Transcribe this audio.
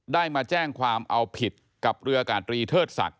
ได้มาแจ้งความเอาผิดกับเรืออากาศตรีเทิดศักดิ